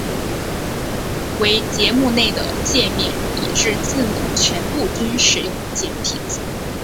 唯节目内的介面以至字幕全部均使用简体字。